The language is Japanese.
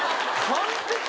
完璧！